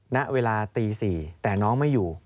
ณเวลาตี๔แต่น้องไม่อยู่